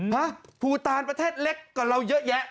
ฮะภูตานประเทศเล็กกว่าเราเยอะแยะ